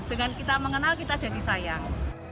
dengan kita mengenal kita jadi sayang